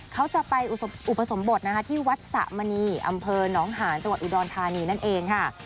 เขาจะไปอุปสมบทนะคะที่วัดสะมณีอำเภอน้องหานจังหวัดอุดรธานีนั่นเองค่ะ